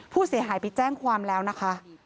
ผู้เสียหายไปแจ้งความแล้วนะคะ